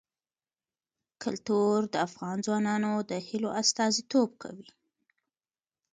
کلتور د افغان ځوانانو د هیلو استازیتوب کوي.